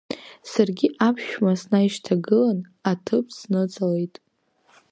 Саргьы аԥшәма снаишьҭагылан, аҭыԥ сныҵалеит.